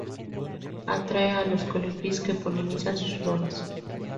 Atrae a los colibríes, que polinizan sus flores.